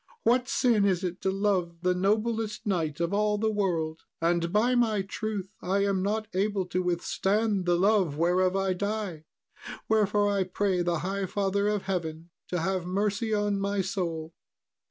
What sin is it to love the noblest knight of all the world? And, by my truth, I am not able to withstand the love whereof I die; wherefore, I pray the High Father of Heaven to have mercy on my soul."